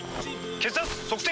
血圧測定！